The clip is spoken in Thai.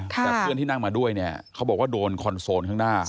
แต่เพื่อนที่นั่งมาด้วยเนี่ยเขาบอกว่าโดนคอนโซลข้างหน้า